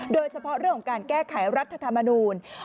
โดยเฉพาะเรื่องของการแก้ไขรัฐธรรมนูล